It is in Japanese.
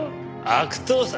悪党さ。